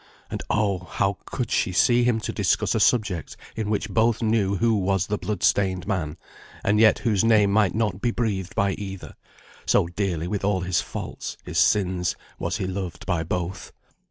And oh! how could she see him to discuss a subject in which both knew who was the blood stained man; and yet whose name might not be breathed by either, so dearly with all his faults, his sins, was he loved by both.